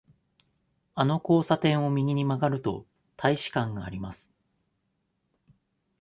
あの交差点を右に曲がると、大使館があります。